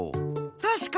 たしかに。